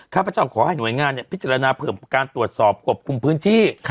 ข้าพเจ้าขอให้หน่วยงานพิจารณาเพิ่มการตรวจสอบควบคุมพื้นที่